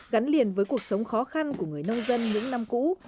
gắn liền với cuộc sống khó khăn của người nông dân những năm cũ